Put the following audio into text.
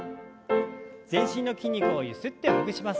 全身の筋肉をゆすってほぐします。